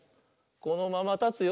「このままたつよ」